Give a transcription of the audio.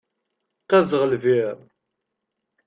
Qqazeɣ lbir.